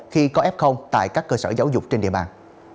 khi có f tại các cơ sở giáo dục trên địa bàn